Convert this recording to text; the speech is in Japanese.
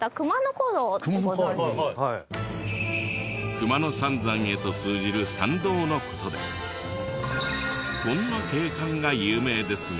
熊野三山へと通じる参道の事でこんな景観が有名ですが。